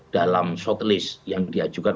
dalam shortlist yang diajukan